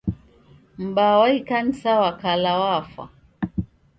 M'baa wa ikanisa wa kala wafwa.